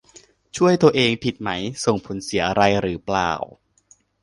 ช่วยตัวเอง ผิดไหม ส่งผลเสียอะไรหรือเปล่า